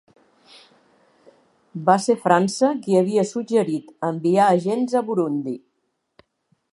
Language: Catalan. Va ser França qui havia suggerit enviar agents a Burundi.